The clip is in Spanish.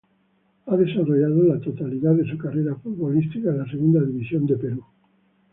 Ha desarrollado la totalidad de su carrera futbolística en la Segunda División de Perú.